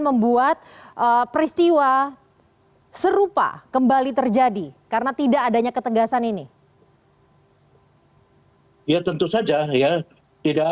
membuat peristiwa serupa kembali terjadi karena tidak adanya ketegasan ini ya tentu saja ya tidak